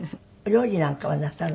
料理なんかはなさるの？